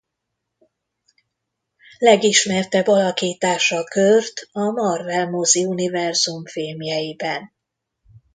Legismertebb alakítása Kurt a Marvel-moziuniverzum filmjeiben.